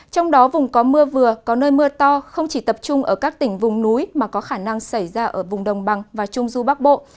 trong đó vùng có mưa vừa có nơi mưa to không chỉ tập trung ở các tỉnh vùng núi mà có khả năng xảy ra ở vùng đồng bằng và trung du bắc bộ